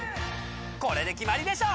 これで決まりでしょ！